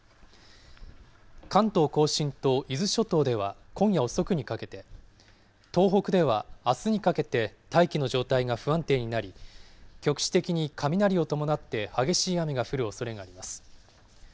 関東甲信と伊豆諸島では今夜遅くにかけて、東北ではあすにかけて、大気の状態が不安定になり、局地的に雷を伴って激しい雨が降るおそれがあります。